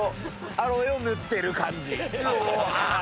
アロエを塗ってる感じ。